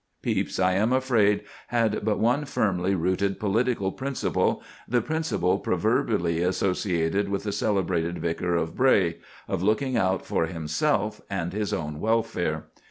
Pepys, I am afraid, had but one firmly rooted political principle—the principle proverbially associated with the celebrated Vicar of Bray, of looking out for himself and his own welfare.